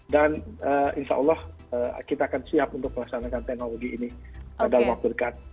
dan insya allah kita akan siap untuk melaksanakan teknologi ini dalam waktu dekat